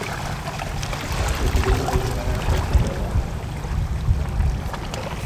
O cinco de maio fará trinta e nove anos.